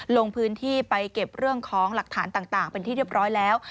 ลงพื้นที่ไปเก็บเรื่องของหลักฐานต่างเป็นที่เรียบร้อยแล้ว